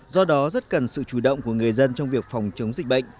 do đó rất cần sự chủ động của người dân trong việc phòng chống dịch bệnh